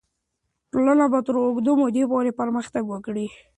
ټولنه به تر اوږدې مودې پورې پرمختګ کړی وي.